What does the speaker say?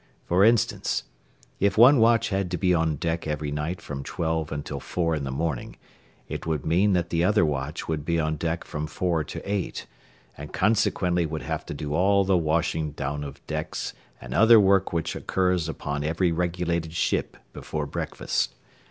For instance, if one watch had to be on deck every night from twelve until four in the morning, it would mean that the other watch would be on deck from four to eight, and consequently would have to do all the washing down of decks and other work which occurs upon every regulated ship before breakfast.